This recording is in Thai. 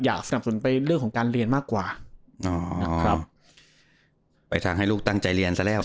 สนับสนุนไปเรื่องของการเรียนมากกว่าอ๋อนะครับไปทางให้ลูกตั้งใจเรียนซะแล้ว